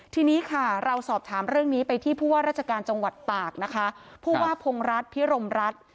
ทีนี้ค่ะเราสอบถามเรื่องนี้ไปที่ผู้ว่าราชการจังหวัดตากนะคะผู้ว่าพงรัฐพิรมรัฐ